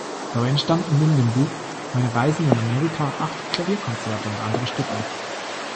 Dabei entstanden neben dem Buch "Meine Reisen in Amerika" acht Klavierkonzerte und andere Stücke.